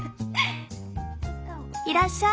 「いらっしゃい。